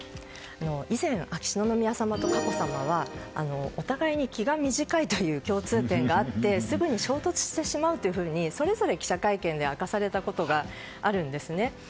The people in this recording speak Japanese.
以前、秋篠宮さまと佳子さまはお互いに気が短いという共通点があってすぐに衝突してしまうとそれぞれ記者会見で明かされたことがあるんですね。